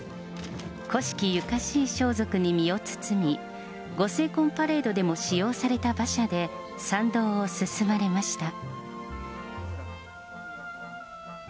古式ゆかしい装束に身を包み、ご成婚パレードでも使用された馬車で参道を進まれました。